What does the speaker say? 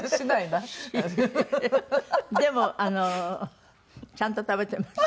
でもあのちゃんと食べてます。